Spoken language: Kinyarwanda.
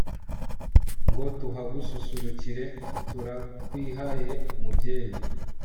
ngo tuhasusurukire, turakwihaye mubyeyi